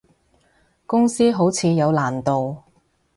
公司好似有難度